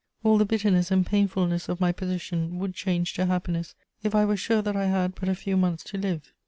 "All the bitterness and painfulness of my position would change to happiness if I were sure that I had but a few months to live.